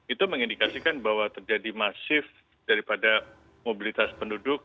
itu mengindikasikan bahwa terjadi masif daripada mobilitas penduduk